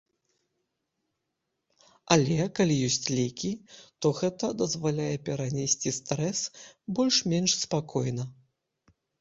Але, калі ёсць лекі, то гэта дазваляе перанесці стрэс больш-менш спакойна.